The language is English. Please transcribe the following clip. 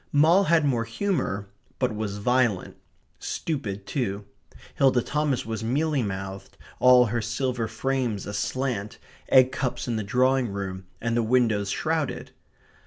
Moll had more humour, but was violent; stupid too. Hilda Thomas was mealy mouthed, all her silver frames aslant; egg cups in the drawing room; and the windows shrouded.